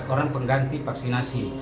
empat orang pengganti vaksinasi